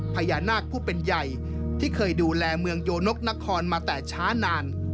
พญานาคผู้เป็นใหญ่ที่เคยดูแลเมืองโยนกนครมาแต่ช้านาน